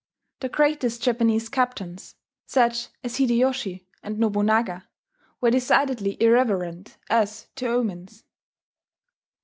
The greatest Japanese captains, such as Hideyoshi and Nobunaga were decidedly irreverent as to omens.